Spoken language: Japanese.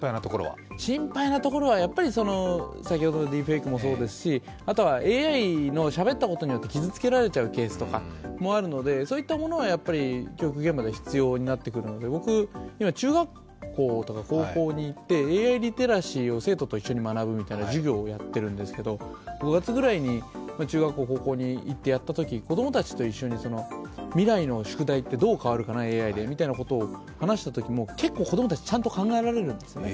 心配なところは、先ほどのディープフェイクもそうですしあとはＡＩのしゃべったことによって傷つけられちゃうケースもあるので、そういったものは教育現場で必要になってくるので、僕、今中学校とか高校に行ってＡＩリテラシーを生徒と一緒に学ぶみたいな授業をやっているんですけど５月くらいに中学校・高校に行ってやったときに、子供たちと一緒に未来の宿題ってどう変わるかな、ＡＩでみたいなことを話したとき、結構子供たちちゃんと考えられるんですね。